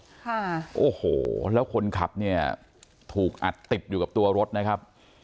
ค่ะโอ้โหแล้วคนขับเนี่ยถูกอัดติดอยู่กับตัวรถนะครับ